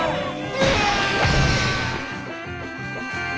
うわ。